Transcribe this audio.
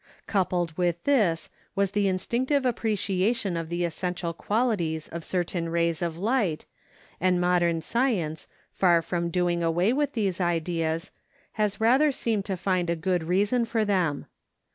Coupled with this was the instinctive appreciation of the essential qualities of certain rays of light, and modern science, far from doing away with these ideas, has rather seemed to find a good reason for them.